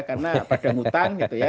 karena pada ngutang gitu ya